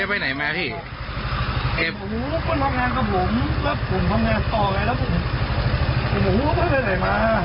เอาเป็นยูชุดสืบหรอ